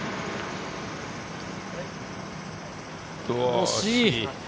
惜しい。